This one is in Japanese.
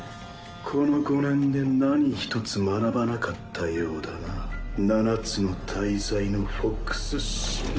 この５年で何一つ学ばなかったようだな七つの大罪の強欲の罪。